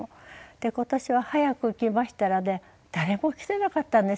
で今年は早く行きましたらね誰も来てなかったんですよ。